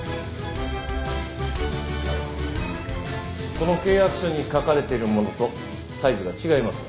この契約書に書かれているものとサイズが違いますが。